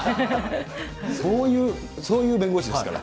そういう、そういう弁護士ですから。